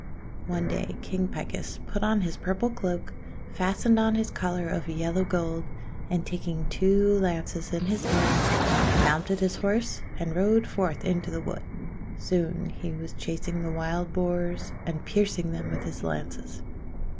One day King Picus put on his purple cloak, fastened on his collar of yellow gold, and taking two lances in his hand, mounted his horse, and rode forth into the wood. Soon he was chasing the Wild Boars and piercing them with his lances.